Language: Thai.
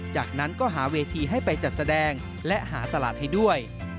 จากนั้นก็หาเวทีให้ไปจัดแสดงและหาตลาดให้ด้วย